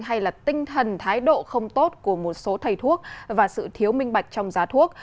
hay là tinh thần thái độ không tốt của một số thầy thuốc và sự thiếu minh bạch trong giá thuốc